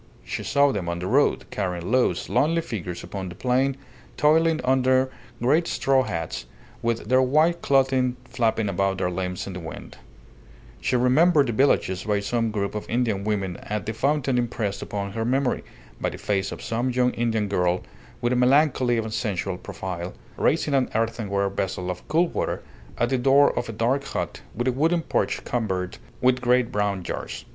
She saw them on the road carrying loads, lonely figures upon the plain, toiling under great straw hats, with their white clothing flapping about their limbs in the wind; she remembered the villages by some group of Indian women at the fountain impressed upon her memory, by the face of some young Indian girl with a melancholy and sensual profile, raising an earthenware vessel of cool water at the door of a dark hut with a wooden porch cumbered with great brown jars.